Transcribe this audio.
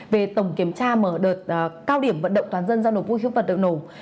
về tổng kiểm tra mở đợt cao điểm vận động toàn dân giao nộp vũ khí vận động nổ